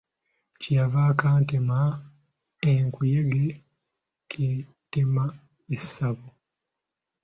Kye yava akantema enkuyege k'etema essabo.